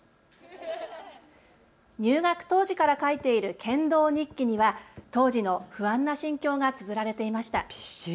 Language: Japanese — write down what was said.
入学当時から書いている剣道日記には当時の不安な心境がつづられていました。